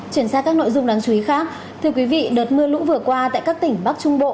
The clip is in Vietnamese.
chuyển sang các nội dung đáng chú ý khác thưa quý vị đợt mưa lũ vừa qua tại các tỉnh bắc trung bộ